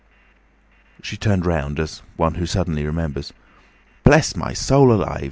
She turned round, as one who suddenly remembers. "Bless my soul alive!"